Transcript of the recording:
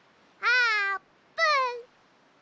あーぷん。